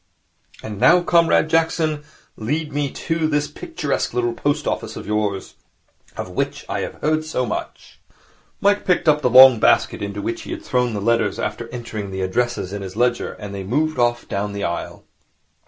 And now, Comrade Jackson, lead me to this picturesque little post office of yours of which I have heard so much.' Mike picked up the long basket into which he had thrown the letters after entering the addresses in his ledger, and they moved off down the aisle.